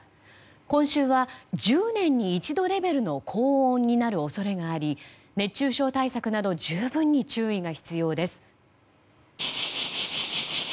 今週は１０年に一度レベルの高温になる恐れがあり熱中症対策など十分に注意が必要です。